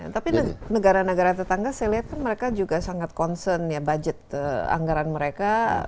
tapi negara negara tetangga saya lihat kan mereka juga sangat concern ya budget anggaran mereka